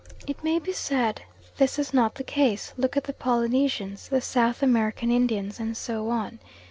It may be said this is not the case; look at the Polynesians, the South American Indians, and so on.